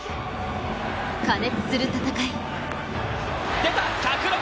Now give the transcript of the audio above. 過熱する戦い。